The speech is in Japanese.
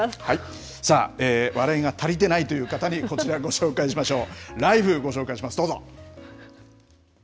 さあ、笑いが足りていないという方にこちらご紹介しましょう。